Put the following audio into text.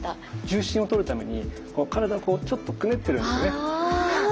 重心をとるために体をちょっとくねってるんですね。